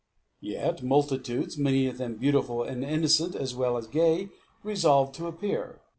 Yet multitudes, many of them beautiful and innocent as well as gay, resolved to appear.